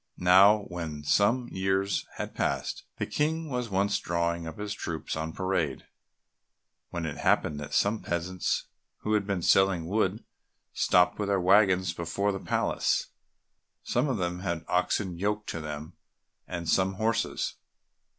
Now when some years had passed, the King was once drawing up his troops on parade, when it happened that some peasants who had been selling wood stopped with their waggons before the palace; some of them had oxen yoked to them, and some horses.